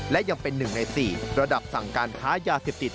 และยังเป็น๑ใน๔ระดับสั่งการค้ายาเสพติด